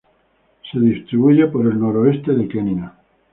Se distribuye por el noroeste de Kenia.